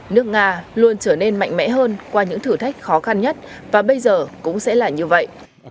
nước nga luôn trở nên mạnh mẽ hơn qua những thử thách khó khăn nhất và bây giờ cũng sẽ là như vậy